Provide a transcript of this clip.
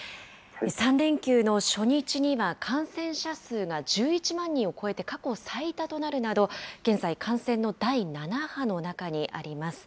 ３連休の初日には感染者数が１１万人を超えて過去最多となるなど、現在、感染の第７波の中にあります。